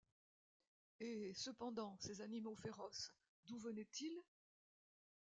Et, cependant, ces animaux féroces, d’où venaient-ils?